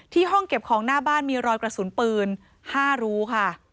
ห้องเก็บของหน้าบ้านมีรอยกระสุนปืน๕รูค่ะ